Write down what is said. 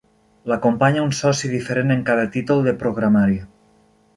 L'acompanya un soci diferent en cada títol de programari.